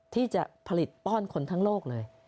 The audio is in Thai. ที่จะผลิตป้อนคนทั้งโลกเลย